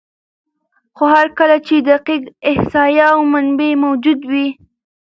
خو هر کله چې دقیق احصایه او منابع موجود وي،